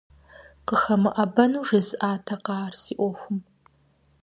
КъыхэмыӀэбэну жесӀатэкъэ ар си Ӏуэхум?